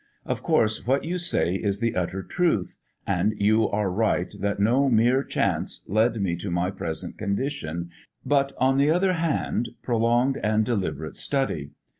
Of course what you say is the utter truth. And you are right that no mere chance led me to my present condition, but, on the other hand, prolonged and deliberate study.